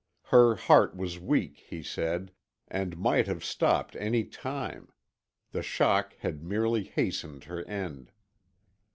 Her heart was weak, he said, and might have stopped any time; the shock had merely hastened her end.